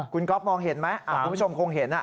คุณก๊อฟมองเห็นไหมคุณผู้ชมคงเห็น